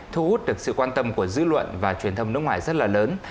thu hút được sự quan tâm của dư luận và truyền thông nước ngoài rất là lớn